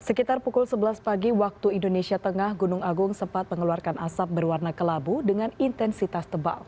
sekitar pukul sebelas pagi waktu indonesia tengah gunung agung sempat mengeluarkan asap berwarna kelabu dengan intensitas tebal